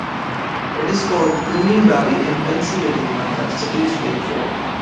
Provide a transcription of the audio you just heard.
It is for the Wyoming Valley in Pennsylvania that the city is named.